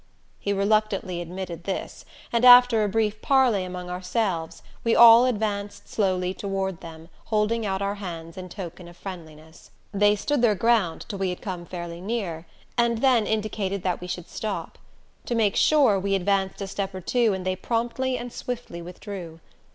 He reluctantly admitted this; and after a brief parley among ourselves, we all advanced slowly toward them, holding out our hands in token of friendliness. They stood their ground till we had come fairly near, and then indicated that we should stop. To make sure, we advanced a step or two and they promptly and swiftly withdrew.